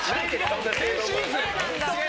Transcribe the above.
違う！